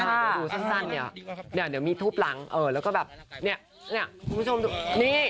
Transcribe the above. คุณผู้ชมดูสั้นเนี่ยเดี๋ยวมีทุบหลังเนี่ยคุณผู้ชมมี